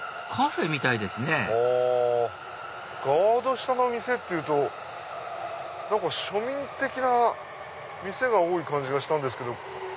下の店っていうと庶民的な店が多い感じがしたんですけど。